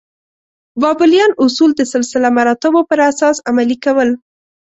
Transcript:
بابلیان اصول د سلسله مراتبو پر اساس عملي کول.